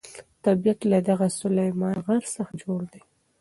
طبیعت له دغه سلیمان غر څخه جوړ دی.